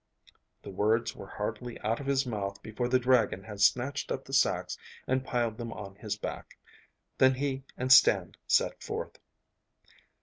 The words were hardly out of his mouth before the dragon had snatched up the sacks and piled them on his back. Then he and Stan set forth.